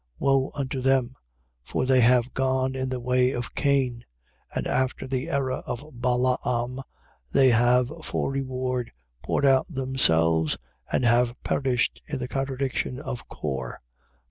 1:11. Woe unto them! For they have gone in the way of Cain: and after the error of Balaam they have for reward poured out themselves and have perished in the contradiction of Core.